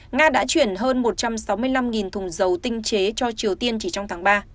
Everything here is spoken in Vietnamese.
nga đã chuyển hơn một trăm sáu mươi năm thùng dầu tinh chế cho triều tiên chỉ trong tháng ba